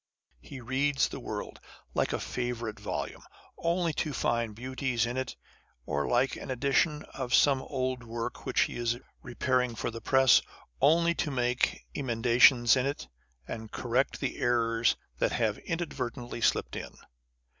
He reads the world, like a favourite volume, only to find beauties in it, or like an edition of some old work which he is Preparing for the press, only to make emendations in it, and correct the errors that have inadvertently slipt in.